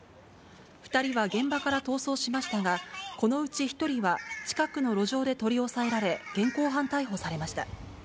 ２人は現場から逃走しましたが、このうち１人は近くの路上で取り押さえられ、現行犯逮捕されました。